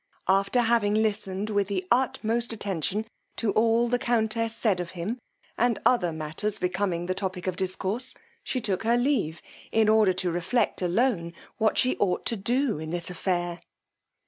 After having listened, with the utmost attention, to all the countess said of him, and other matters becoming the topic of discourse, she took her leave, in order to reflect alone what she ought to do in this affair.